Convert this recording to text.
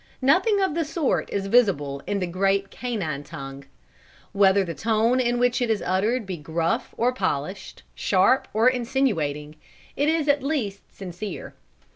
Nothing of the sort is visible in the great canine tongue. Whether the tone in which it is uttered be gruff or polished, sharp or insinuating, it is at least sincere.